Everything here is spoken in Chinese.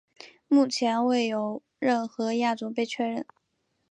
目前未有任何亚种被确认。